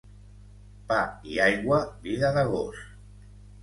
Pa i aigua, vida de gos.